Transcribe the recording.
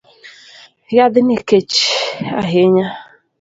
Yadhni kech ahinya